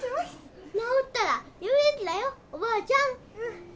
治ったら遊園地だよおばあちゃん。